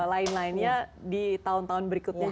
lain lainnya di tahun tahun berikutnya